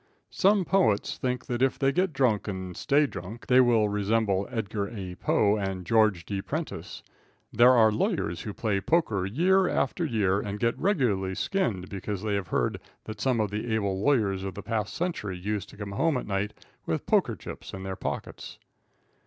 Some poets think that if they get drunk, and stay drunk, they will resemble Edgar A. Poe and George D. Prentice. There are lawyers who play poker year after year, and get regularly skinned, because they have heard that some of the able lawyers of the past century used to come home at night with poker chips in their pockets.